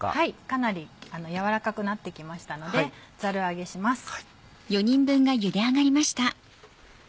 かなり軟らかくなって来ましたのでザル上げします。